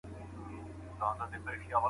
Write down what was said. خيار حق د خلګو ستونزې حلوي.